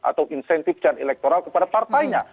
atau insentif can electoral kepada partainya